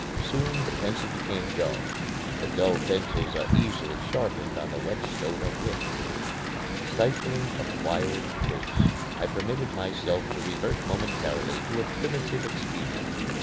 Soon the pencil became dull. But dull pencils are easily sharpened on the whetstone of wit. Stifling acquired traits, I permitted myself to revert momentarily to a primitive expedient.